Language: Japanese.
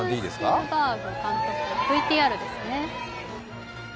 ＶＴＲですね。